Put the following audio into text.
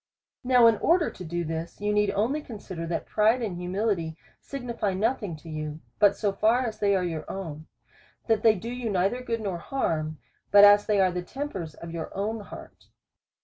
Now in order to do this, you need only consider, that pride and humility signify nothing to you, but so far as they are your own ; that they do you neither good nor harm, but as they are the tempers of your own heart.